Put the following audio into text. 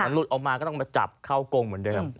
หลุดออกมาก็ต้องมาจับเข้ากงเหมือนเดิม